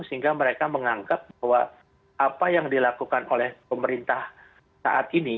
sehingga mereka menganggap bahwa apa yang dilakukan oleh pemerintah saat ini